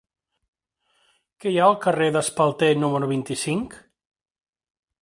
Què hi ha al carrer d'Espalter número vint-i-cinc?